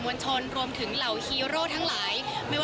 พนัชวังดูสิทธิ์